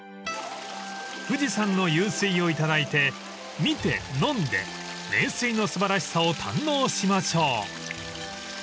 ［富士山の湧水をいただいて見て飲んで名水の素晴らしさを堪能しましょう］